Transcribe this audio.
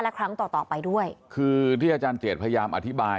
และครั้งต่อต่อไปด้วยคือที่อาจารย์เจตพยายามอธิบาย